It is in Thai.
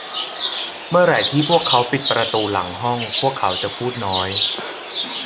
เมื่อไหร่ที่พวกเขาปิดประตูหลังห้อง พวกเขาจะพูดน้อย